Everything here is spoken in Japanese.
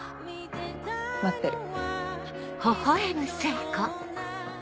待ってる。